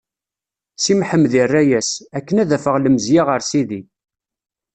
Si Mḥemmed irra-as: Akken ad afeɣ lemzeyya ɣer Sidi.